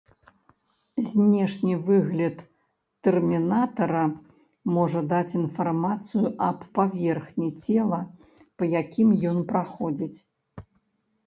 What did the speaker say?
Знешні выгляд тэрмінатара можа даць інфармацыю аб паверхні цела, па якім ён праходзіць.